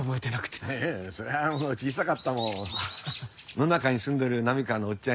野中に住んどる波川のおっちゃんやで。